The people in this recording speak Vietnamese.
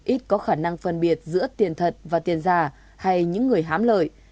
ít có khả năng phân biệt giữa tiền thật và tiền giả hay những người hám lợi